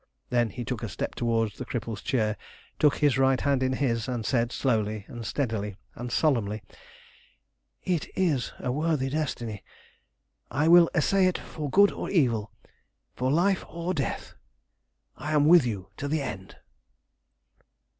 Then he took a step towards the cripple's chair, took his right hand in his, and said slowly and steadily and solemnly "It is a worthy destiny! I will essay it for good or evil, for life or death. I am with you to the end!"